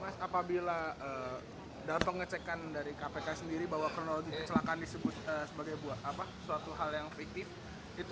mas apabila dalam pengecekan dari kpk sendiri bahwa kronologi kecelakaan disebut sebagai suatu hal yang fiktif